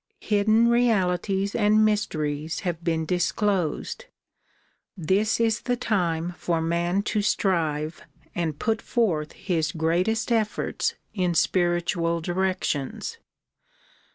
Hidden realities and mysteries have been dis closed. This is the time for man to strive and put forth his greatest efforts in spiritual directions.